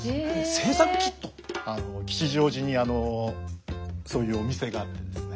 吉祥寺にそういうお店があってですね